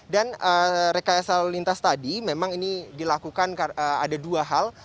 dan rekayasa lalu lintas tadi memang ini dilakukan ada dua hal